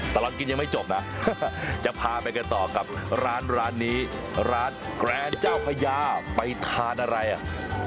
ตลอดกินยังไม่จบนะจะพาไปกันต่อกับร้านร้านนี้ร้านแกรนเจ้าพญาไปทานอะไรอ่ะ